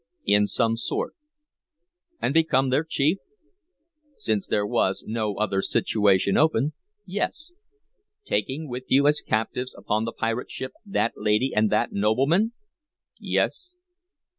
"In some sort." "And become their chief?" "Since there was no other situation open, yes." "Taking with you as captives upon the pirate ship that lady and that nobleman?" "Yes."